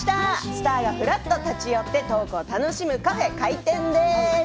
スターがふらっと立ち寄ってトークを楽しむカフェ、開店です。